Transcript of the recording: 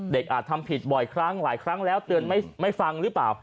อาจทำผิดบ่อยครั้งหลายครั้งแล้วเตือนไม่ฟังหรือเปล่า